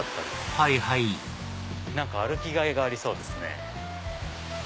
はいはい何か歩きがいがありそうですね。